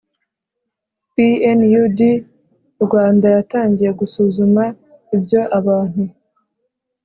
Pnud rwanda yatangiye gusuzuma ibyo abantu